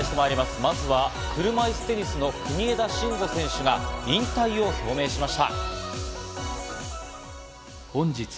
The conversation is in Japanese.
まずは車いすテニスの国枝慎吾選手が引退を表明しました。